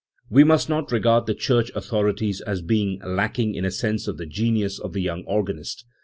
We must not regard the church authorities as being lacking in a sense of the genius of the young organist.